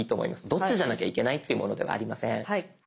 どっちじゃなきゃいけないってものではありません。